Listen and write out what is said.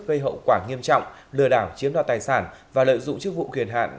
gây hậu quả nghiêm trọng lừa đảo chiếm đoạt tài sản và lợi dụng chức vụ kiền hạn